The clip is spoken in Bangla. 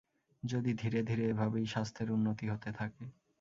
যদি ধীরে ধীরে এ ভাবেই স্বাস্থ্যের উন্নতি হতে থাকে।